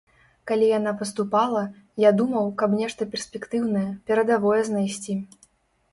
Калі яна паступала, я думаў, каб нешта перспектыўнае, перадавое знайсці.